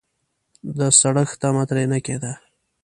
د سړښت تمه ترې نه کېده.